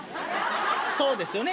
そうですよね